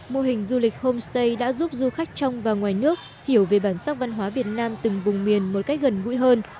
mô hình du lịch homestay đã giúp du khách trong và ngoài nước hiểu về bản sắc văn hóa việt nam từng vùng miền một cách gần gũi hơn